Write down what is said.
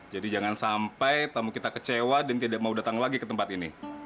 jadi jangan sampai tamu kita kecewa dan tidak mau datang lagi ke tempat ini